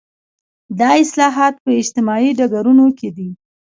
دا اصلاحات په اجتماعي ډګرونو کې دي.